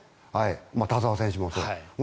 田澤選手もそう。